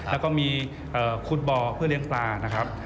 แล้วก็มีคุดบ่อเพื่อเลี้ยงปลานะครับ